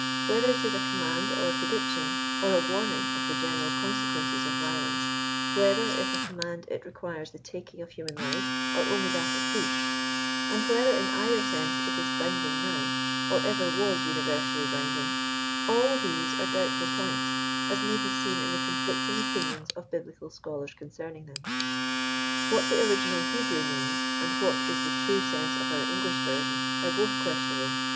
Whether it is a command or a pre« diction, or a warning of the general consequences of violence ; whether, if a command, it requires the taking of human life or only that of beasts, and whether in either sense it is binding now, or ever was univeftially binding, all these are doubtful points, as may be seen in the conflicting opinions of biblical scholars concerning them^ What the original Hebrew means, and what is the true sense of otir English version, are both questionable.